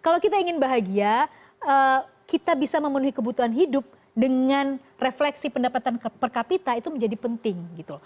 kalau kita ingin bahagia kita bisa memenuhi kebutuhan hidup dengan refleksi pendapatan per kapita itu menjadi penting gitu loh